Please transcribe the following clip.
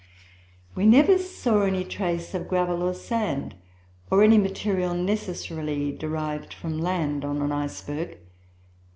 "We never saw any trace of gravel or sand, or any material necessarily derived from land, on an iceberg.